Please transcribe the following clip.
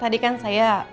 tadi kan saya